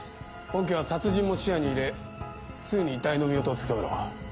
本件は殺人も視野に入れすぐに遺体の身元を突き止めろ。